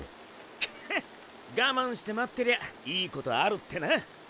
クハ我慢して待ってりゃいいことあるってな。